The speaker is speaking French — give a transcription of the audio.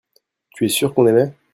tu es sûr qu'on aimaient.